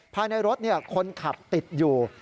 ภายในรถคนขับติดอยู่